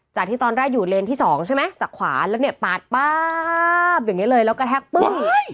ที่ตอนแรกอยู่เลนที่๒ใช่ไหมจากขวาแล้วเนี่ยปาดป๊าบอย่างนี้เลยแล้วกระแทกปึ้ง